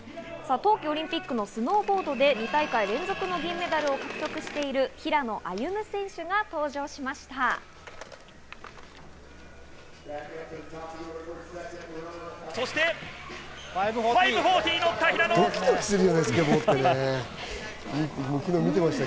冬季オリンピックのスノーボードで２大会連続の銀メダルを獲得している、平野歩夢選手が登場しました。